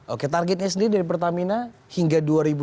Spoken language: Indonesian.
oke targetnya sendiri dari pertamina hingga dua ribu dua puluh